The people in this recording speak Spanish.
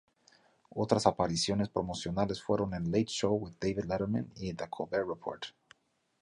Otras apariciones promocionales fueron en "Late Show with David Letterman" y "The Colbert Report".